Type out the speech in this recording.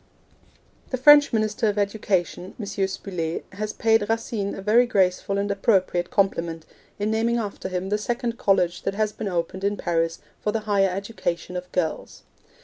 The French Minister of Education, M. Spuller, has paid Racine a very graceful and appropriate compliment, in naming after him the second college that has been opened in Paris for the higher education of girls.